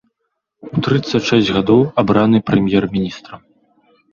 У трыццаць шэсць гадоў абраны прэм'ер-міністрам.